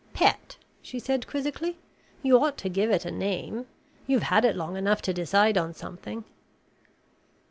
"Pet?" she said quizzically. "You ought to give it a name. You've had it long enough to decide on something."